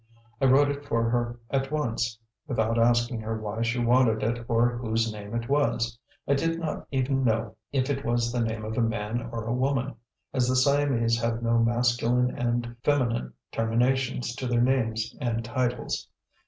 I wrote it for her at once, without asking her why she wanted it or whose name it was. I did not even know if it was the name of a man or a woman, as the Siamese have no masculine and feminine terminations to their names and titles.